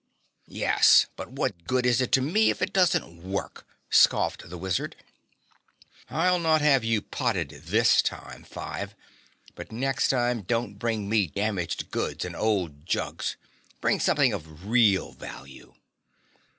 "Yes, but what good is it to me if it doesn't work?" scoffed the wizard. "I'll not have you potted this time, Five, but next time don't bring me damaged goods and old jugs, bring something of real value."